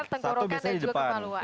tengku rokan dan juga kemaluan